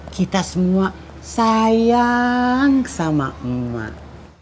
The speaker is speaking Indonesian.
kita semua sayang sama emak